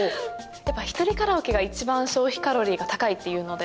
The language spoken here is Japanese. やっぱ１人カラオケが一番消費カロリーが高いっていうので。